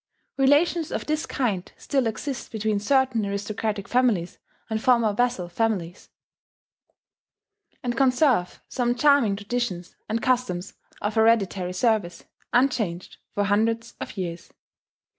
Relations of this kind still exist between certain aristocratic families and former vassal families, and conserve some charming traditions and customs of hereditary service, unchanged for hundreds of years.